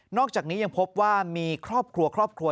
นอกจากนี้ยังพบว่ามีครอบครัว๑